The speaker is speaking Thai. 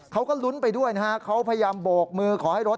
เขาก็ลุ้นไปด้วยนะฮะเขาพยายามโบกมือขอให้รถ